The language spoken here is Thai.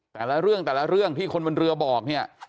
แต่ละเรื่องแต่ละเรื่องที่คนบนเรือบอกเนี่ย